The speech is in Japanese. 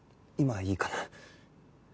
今いいかな？